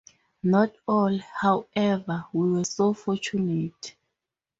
Not all, however, were so fortunate.